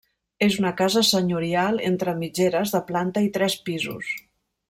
És una casa senyorial entre mitgeres de planta i tres pisos.